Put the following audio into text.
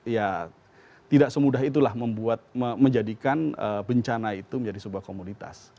ya tidak semudah itulah membuat menjadikan bencana itu menjadi sebuah komunitas